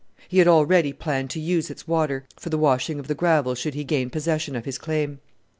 He had already planned to use its water for the washing of the gravel should he gain possession of his claim.